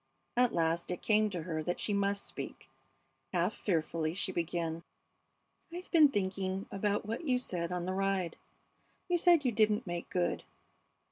At last it came to her that she must speak. Half fearfully she began: "I've been thinking about what you said on the ride. You said you didn't make good.